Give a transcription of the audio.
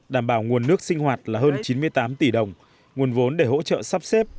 đảm bảo nguồn nước sinh hoạt là hơn chín mươi tám tỷ đồng nguồn vốn để hỗ trợ sắp xếp